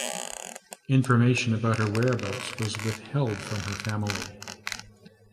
Information about her whereabouts was withheld from her family.